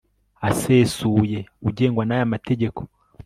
ASESUYE ugengwa n aya mategeko